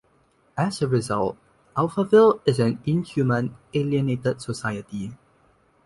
As a result, Alphaville is an inhuman, alienated society.